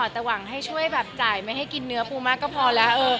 แต่หวังให้ช่วยแบบจ่ายไม่ให้กินเนื้อปูมากก็พอแล้ว